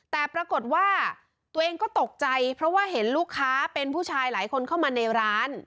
แต่ปรากฏว่าตัวเองก็ตกใจเพราะว่าเห็นลูกค้าเป็นผู้ชายหลายคนเข้ามาในร้าน